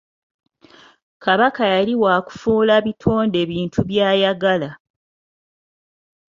Kabaka yali wa kufuula bitonde bintu by'ayagala.